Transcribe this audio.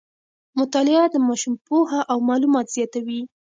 مطالعه د ماشوم پوهه او معلومات زیاتوي.